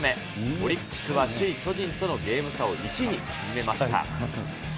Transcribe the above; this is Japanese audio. オリックスは首位巨人とのゲーム差を１に縮めました。